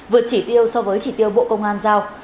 vượt chỉ tiêu so với chỉ tiêu bộ công an giao